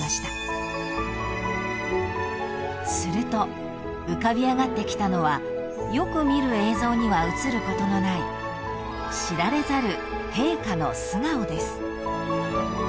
［すると浮かび上がってきたのはよく見る映像には映ることのない知られざる］